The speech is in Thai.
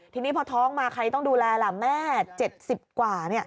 ทีนี้พอท้องมาใครต้องดูแลล่ะแม่๗๐กว่า